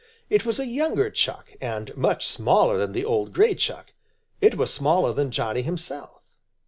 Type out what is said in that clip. It was a younger Chuck and much smaller than the old gray Chuck. It was smaller than Johnny himself.